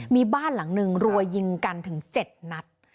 มีบ้านหลังนึงรวยยิงกันถึงเจ็ดนัด